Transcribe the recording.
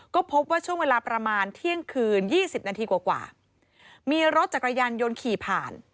ก็พบว่าช่วงเวลาประมาณเที่ยงคืน๒๐นาทีกว่ากว่ามีรถจากกระยันยนต์ขี่ผ่าน